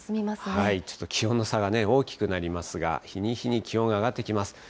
ちょっと気温の差が大きくなりますが、日に日に気温が上がってきます。